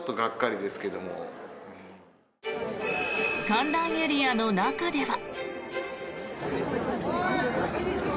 観覧エリアの中では。